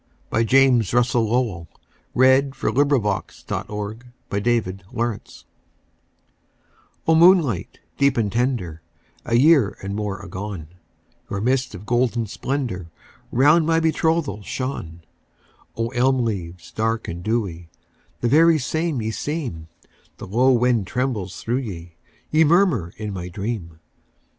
1912. James Russell Lowell 1819–1891 James Russell Lowell 127 Song O, MOONLIGHT deep and tender,A year and more agone, Your mist of golden splendorRound my betrothal shone!O, elm leaves dark and dewy, The very same ye seem, The low wind trembles through ye, Ye murmur in my dream!